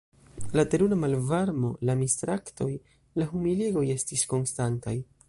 La terura malvarmo, la mistraktoj, la humiligoj estis konstantaj.